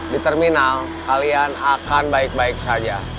di terminal kalian akan baik baik saja